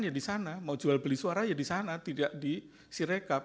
ya di sana mau jual beli suara ya di sana tidak di sirekap